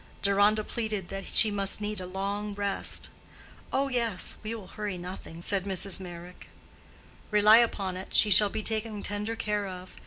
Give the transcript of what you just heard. Deronda pleaded that she must need a long rest. "Oh, yes; we will hurry nothing," said Mrs. Meyrick. "Rely upon it, she shall be taken tender care of.